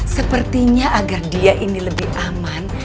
sepertinya agar dia ini lebih aman